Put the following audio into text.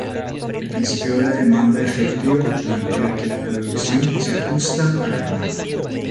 El principio de demanda efectiva plantea que la producción se ajusta a la demanda.